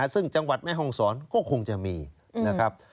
ซึ่งจังหวัดแม่ห้องศรก็คงจะมีนะครับ